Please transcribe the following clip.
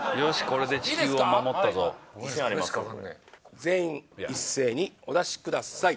これ全員一斉にお出しください